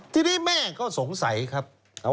ทีนี้แม่ก็สงสัยครับ